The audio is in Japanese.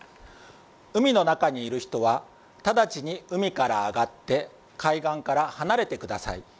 海の中にいる人は直ちに海から上がって海岸から離れてください。